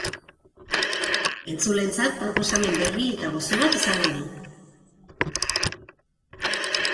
Entzuleentzat proposamen berri eta gozo bat izango du.